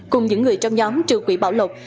cùng những người trong nhóm trừ quỷ bảo lộc